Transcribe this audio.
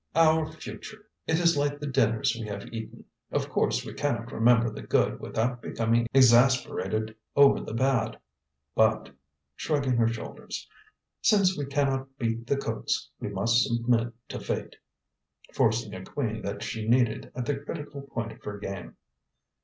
Our future! It is like the dinners we have eaten; of course we cannot remember the good without becoming exasperated over the bad: but" shrugging her shoulders "since we cannot beat the cooks, we must submit to fate," forcing a queen that she needed at the critical point of her game.